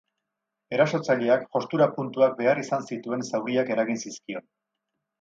Erasotzaileak jostura-puntuak behar izan zituen zauriak eragin zizkion.